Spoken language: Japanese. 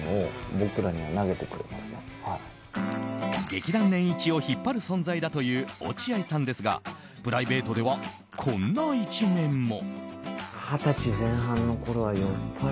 劇団年一を引っ張る存在だという落合さんですがプライベートではこんな一面も。